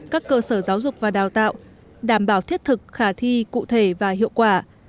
các cơ sở giáo dục và đào tạo đảm bảo thiết thực khả thi cụ thể và hiệu quả